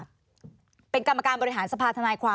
มีความรู้สึกว่ามีความรู้สึกว่ามีความรู้สึกว่า